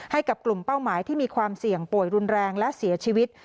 ให้กับกลุ่มเป้าหมายที่มีความเสี่ยงป่วยรุนแรงและเสียชีวิต